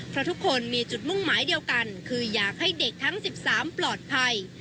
เพราะทุกคนมีจุดมุ่งหมายเดียวกันคืออยากให้เด็กทั้ง๑๓ปลอดภัย